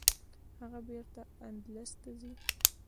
هغه بیرته اندلس ته راځي.